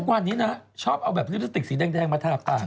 วันนี้นะชอบเอาแบบลิปสติกสีแดงมาทาปาก